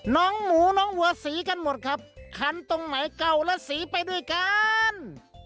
น้องหมูน้องวัวสีกันหมดครับคันตรงไหนเก่าและสีไปด้วยกัน